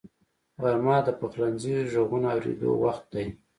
غرمه د پخلنځي غږونو اورېدو وخت دی